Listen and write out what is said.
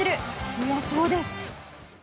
強そうです。